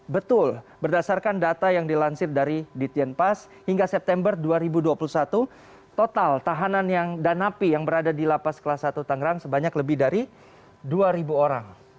betul berdasarkan data yang dilansir dari ditjenpas hingga september dua ribu dua puluh satu total tahanan dan napi yang berada di lapas kelas satu tangerang sebanyak lebih dari dua orang